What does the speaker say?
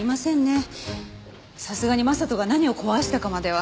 さすがに将人が何を壊したかまでは。